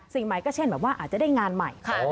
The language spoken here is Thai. สิ่งใหม่ก็เช่นแบบว่าอาจจะได้งานใหม่